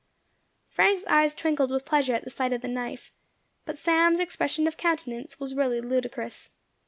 Frank's eyes twinkled with pleasure at the sight of the knife; but Sam's expression of countenance was really ludicrous.